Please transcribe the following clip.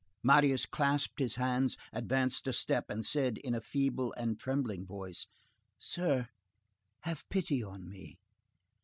Marius clasped his hands, advanced a step, and said in a feeble and trembling voice:— "Sir, have pity on me."